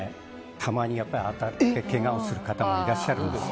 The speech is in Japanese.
当たってけがをする方もいらっしゃるんです。